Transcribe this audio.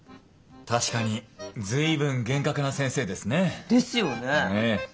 確かに随分厳格な先生ですね。ですよね。